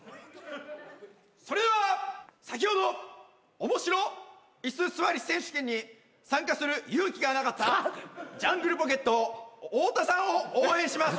それでは先ほどおもしろイス座り選手権に参加する勇気がなかったジャングルポケット太田さんを応援します。